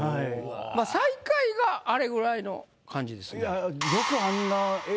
最下位があれぐらいの感じです。